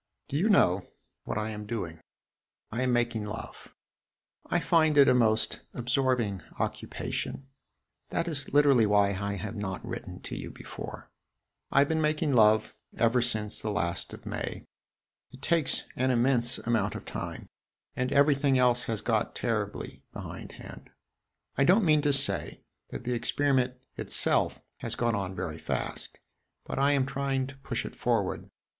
Do you know what I am doing? I am making love. I find it a most absorbing occupation. That is literally why I have not written to you before. I have been making love ever since the last of May. It takes an immense amount of time, and everything else has got terribly behindhand. I don't mean to say that the experiment itself has gone on very fast; but I am trying to push it forward.